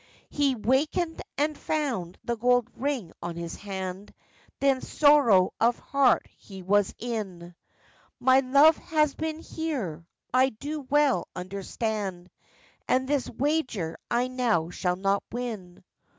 He wakened and found the gold ring on his hand, Then sorrow of heart he was in; 'My love has been here, I do well understand, And this wager I now shall not win.